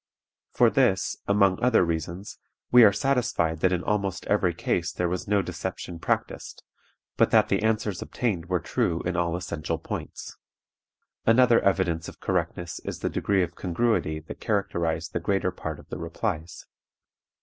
For this, among other reasons, we are satisfied that in almost every case there was no deception practiced, but that the answers obtained were true in all essential points. Another evidence of correctness is the degree of congruity that characterized the greater part of the replies.